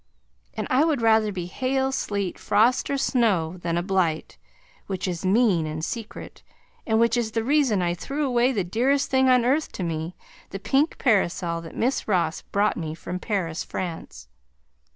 And I would rather be hail, sleet, frost, or snow than a Blight, which is mean and secret, and which is the reason I threw away the dearest thing on earth to me, the pink parasol that Miss Ross brought me from Paris, France.